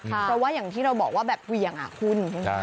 เพราะว่าอย่างที่เราบอกว่าแบบเวียงคุณ